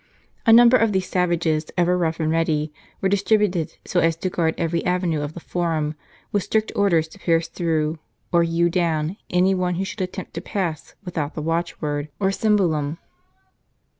A number of these savages, ever rough and ready, were distributed so as to guard every avenue of the Forum, with strict orders to pierce through, or hew down, any one who should attempt to pass without the watchword, or symholum.